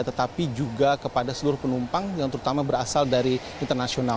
tetapi juga kepada seluruh penumpang yang terutama berasal dari internasional